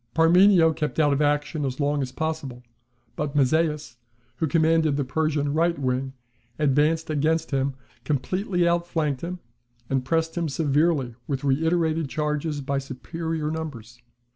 Parmenio kept out of action as long as possible; but Mazaeus, who commanded the Persian right wing, advanced against him, completely outflanked him, and pressed him severely with reiterated charges by superior numbers.